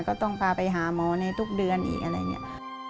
ก็ต้องพาไปหาหมอในทุกเดือนอีกอะไรอย่างนี้